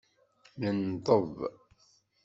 Nenḍeb.